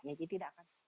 jadi tidak akan